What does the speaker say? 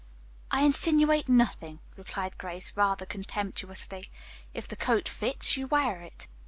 "I insinuate nothing," replied Grace, rather contemptuously. "If the coat fits you wear it."